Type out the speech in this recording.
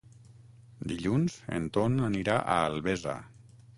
Dilluns en Ton anirà a Albesa.